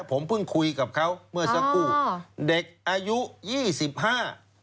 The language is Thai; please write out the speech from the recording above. ผมเพิ่งคุยกับเขาเมื่อสักครู่ค่ะเด็กอายุยี่สิบห้า